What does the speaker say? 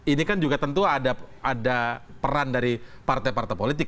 ini kan juga tentu ada peran dari partai partai politik